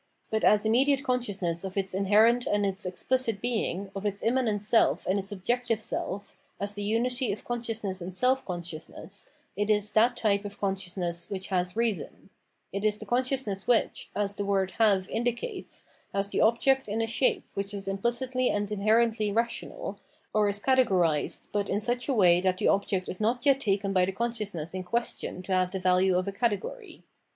But as immediate consciousness of its inherent and its exphcit being, of its immanent self and its objective self, as the unity of consciousness and self consciousness, it is that type of consciousness which has Eeason: it is the consciousness which, as the word " have indicates, has the object in a shape which is imphcitly and inherently rational, or is cate gorised, but in such a way that the object is not yet taken by the consciousness m question to have the value of a category.